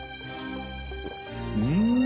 うん！